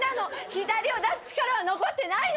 左を出す力は残ってないのよ。